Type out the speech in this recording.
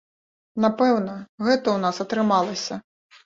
Напэўна, гэта ў нас атрымалася.